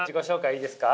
いいですか。